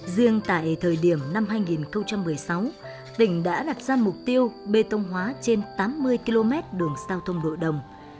riêng tại thời điểm năm hai nghìn một mươi sáu tỉnh đã đặt ra mục tiêu bê tông hóa trên tám mươi km đường giao thông nội đồng